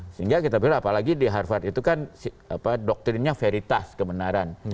sehingga kita pikir apalagi di harvard itu kan doktrinnya veritas kebenaran